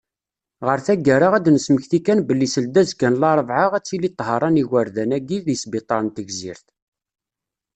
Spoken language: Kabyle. Ɣer taggara, ad d-nesmekti kan belli seldazekka n larebɛa, ad tili ṭṭhara n yigerdan-agi deg ssbiṭer n Tigzirt.